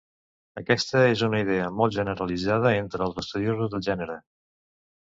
Aquesta és una idea molt generalitzada entre els estudiosos del gènere.